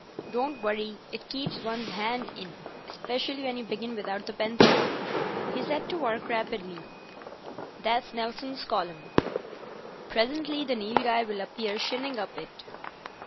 "Don't worry; it keeps one's hand in—specially when you begin without the pencil." He set to work rapidly. "That's Nelson's Column. Presently the Nilghai will appear shinning up it."